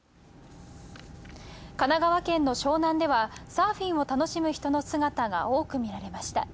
神奈川県の湘南ではサーフィンを楽しむ人の姿が多く見られました。